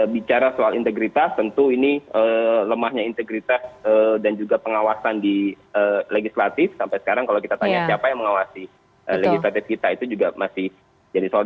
bicara soal integritas tentu ini lemahnya integritas dan juga pengawasan di legislatif sampai sekarang kalau kita tanya siapa yang mengawasi legislatif kita itu juga masih jadi soal